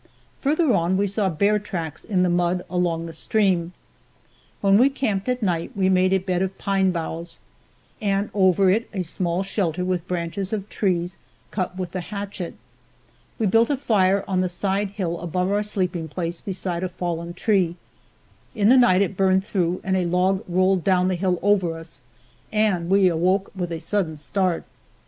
Further on we saw bear tracks in the mud along the stream. When we camped at night we made a bed of pine boughs, and over it a small shelter with branches of trees cut with the hatchet. We built a fire on the side hill above our sleeping place beside a fallen tree. In the night it burned through and a log rolled down the hill over us, and we awoke with a sudden start.